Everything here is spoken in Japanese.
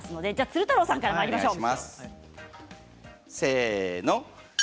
鶴太郎さんからまいりましょう。